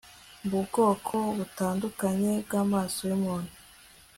Mu bwoko butandukanye bwamaso yumuntu